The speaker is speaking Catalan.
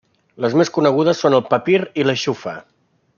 Les més conegudes són el papir i la xufa.